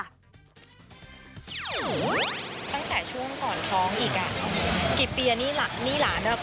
ตั้งแต่ช่วงก่อนท้องอีกอ่ะกี่ปีอันนี้หลานอะ